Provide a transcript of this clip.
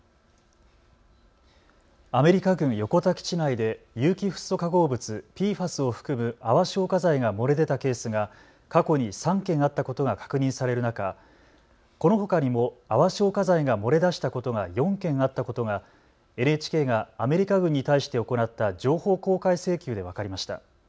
アメリカ軍横田基地内で有機フッ素化合物、ＰＦＡＳを含む泡消火剤が漏れ出たケースが過去に３件あったことが確認される中、このほかにも泡消火剤が漏れ出したことが４件あったことがＮＨＫがアメリカ軍に対して行った情報公開請求で分かりました。